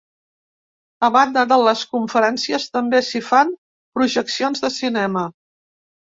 A banda de les conferències, també s’hi fan projeccions de cinema.